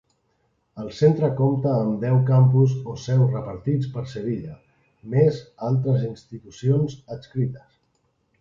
El centre compta amb deu campus o seus repartits per Sevilla, més altres institucions adscrites.